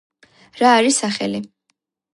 რა არის სახელი